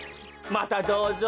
またどうぞ。